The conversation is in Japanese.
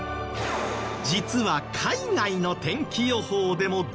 実は海外の天気予報でも大活躍！